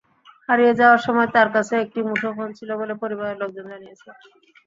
হারিয়ে যাওয়ার সময় তাঁর কাছে একটি মুঠোফোন ছিল বলে পরিবারের লোকজন জানিয়েছে।